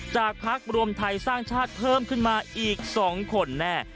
พักรวมไทยสร้างชาติเพิ่มขึ้นมาอีก๒คนแน่